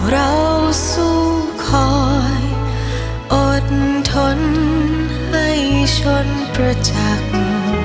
เราสู้คอยอดทนให้ชนประจักษ์